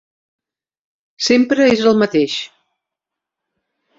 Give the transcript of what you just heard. Sempre és el mateix.